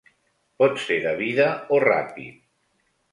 Pot ser de vida o ràpid.